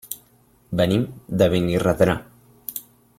Venim de Benirredrà.